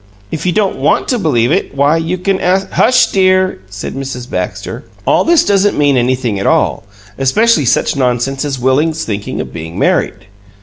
If you don't want to believe it, why, you can ask " "Hush, dear," said Mrs. Baxter. "All this doesn't mean anything at all, especially such nonsense as Willie's thinking of being married.